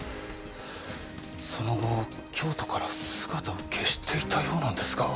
その後京都から姿を消していたようなんですが。